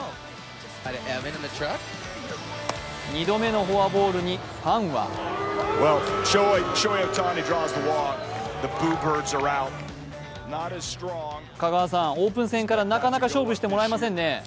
２度目のフォアボールにファンは香川さん、オープン戦からなかなか勝負してもらえませんね。